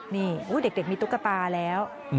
นี่เด็กมีตุ๊กตาแล้ว